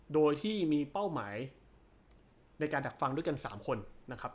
โดยที่มีเป้าหมายในการดักฟังด้วยกัน๓คนนะครับ